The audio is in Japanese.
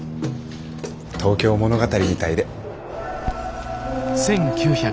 「東京物語」みたいで。